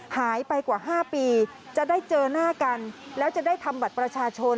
หายไปกว่า๕ปีจะได้เจอหน้ากันแล้วจะได้ทำบัตรประชาชน